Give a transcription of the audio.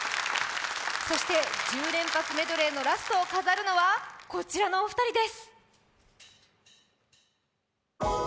そして１０連発メドレーのラストを飾るのはこちらのお二人です。